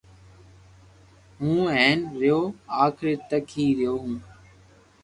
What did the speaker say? ھون ھين رھيو آخري تڪ ھي رھيو ھون